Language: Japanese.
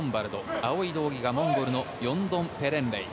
青い道着がモンゴルのヨンドンペレンレイ。